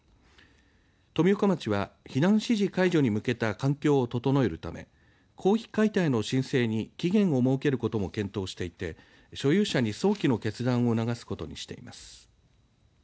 富岡町は避難指示解除に向けた環境を整えるため公費解体の申請に期限を設けることも検討していて所有者に早期の決断を促すことにしています。